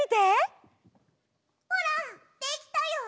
ほらできたよ！